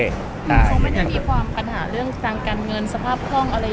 มันคงไม่ได้มีความปัญหาเรื่องสร้างการเงินสภาพกล้องอะไรอย่างนี้